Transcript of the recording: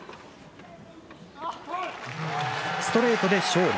ストレートで勝利。